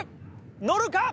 乗るか？